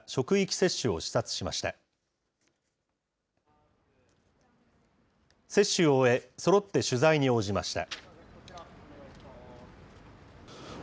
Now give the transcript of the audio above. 接種を終え、そろって取材に応じました。